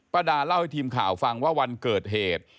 ดาเล่าให้ทีมข่าวฟังว่าวันเกิดเหตุ